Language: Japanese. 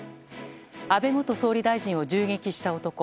安倍元総理大臣を銃撃した男。